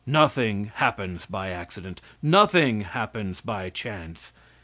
Nothing happens by accident; nothing happens by chance.